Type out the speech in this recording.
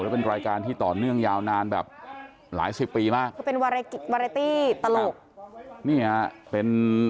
แล้วเป็นรายการที่ต่อเนื่องยาวนานแบบหลายสิบปีมากเป็นวาเลตี้ตลก